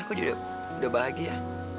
aku juga udah bahagia